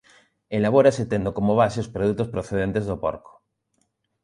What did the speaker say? Elabórase tendo como base os produtos procedentes do porco.